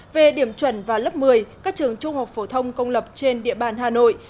về điểm chuẩn vào lớp một mươi các trường trung học phổ thông công lập trên địa bàn hà nội